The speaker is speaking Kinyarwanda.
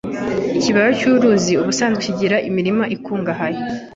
Ikibaya cyuruzi ubusanzwe gifite imirima ikungahaye.